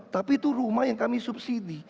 tapi itu rumah yang kami subsidi